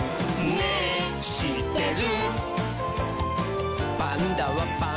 「ねぇしってる？」